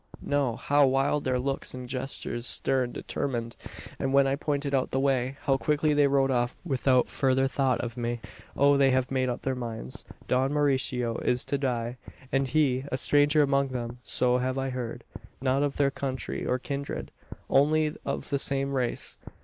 no! How wild their looks and gestures stern determined! And when I pointed out the way, how quickly they rode off, without further thought of me! Oh, they have made up their minds. Don Mauricio is to die! And he a stranger among them so have I heard. Not of their country, or kindred; only of the same race.